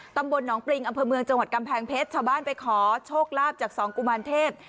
ตำบลหนองปริงอำเภอเมืองจังหวัดกำแพงเพชรชาวบ้านไปขอโชคลาภจากสองกุมารเทพ